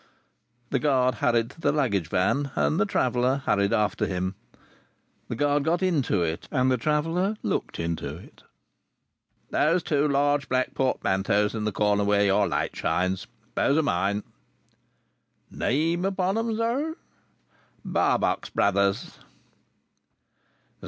The guard hurried to the luggage van, and the traveller hurried after him. The guard got into it, and the traveller looked into it. "Those two large black portmanteaus in the corner where your light shines. Those are mine." "Name upon 'em, sir?" "Barbox Brothers."